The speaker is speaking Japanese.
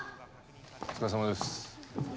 お疲れさまです。